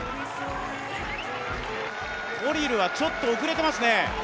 コリルはちょっと遅れていますね。